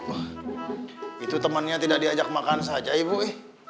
bu itu temannya tidak diajak makan saja ibu ih